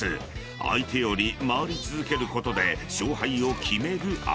［相手より回り続けることで勝敗を決める遊び］